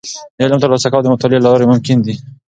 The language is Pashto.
د علم ترلاسه کول د مطالعې له لارې ممکن دي.